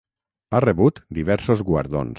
Ha rebut diversos guardons.